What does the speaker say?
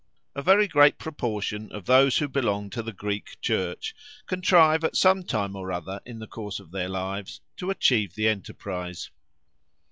A very great proportion of those who belong to the Greek Church contrive at some time or other in the course of their lives to achieve the enterprise.